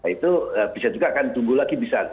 itu bisa juga akan tumbuh lagi bisa